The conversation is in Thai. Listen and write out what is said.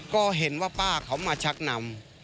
ก็เห็นว่าป้าเขามาชักนำ